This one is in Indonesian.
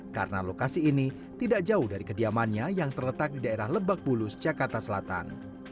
karena lokasi ini tidak jauh dari kediamannya yang terletak di daerah lebak bulus jakarta selatan